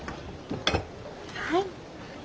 はい。